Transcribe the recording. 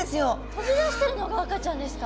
飛び出してるのが赤ちゃんですか。